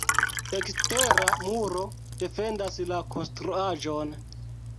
Ekstera muro defendas la konstruaĵon.